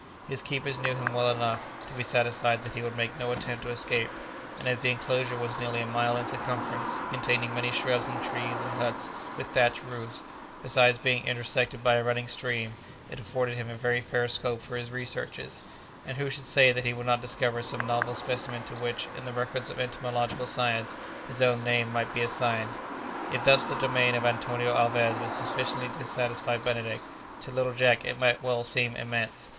His keepers knew him well enough to be satisfied that he would make no attempt to escape, and as the enclosure was nearly a mile in circumference, containing many shrubs and trees and huts with thatched roofs, besides being intersected by a running stream, it afforded him a very fair scope for his researches, and who should say that he would not discover some novel specimen to which, in the records of entomological science, his own name might be assigned? If thus the domain of Antonio Alvez was sufficient to satisfy Benedict, to little Jack it might well seem immense.